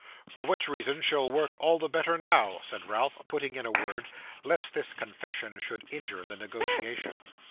'For which reason she'll work all the better now,' said Ralph, putting in a word, lest this confession should injure the negotiation.